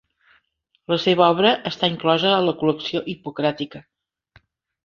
La seva obra està inclosa a la col·lecció hipocràtica.